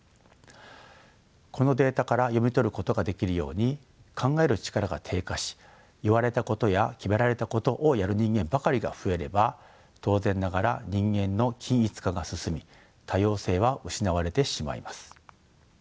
このデータから読み取ることができるように考える力が低下し言われたことや決められたことをやる人間ばかりが増えれば当然ながら人間の均一化が進み多様性は失われてしまいます。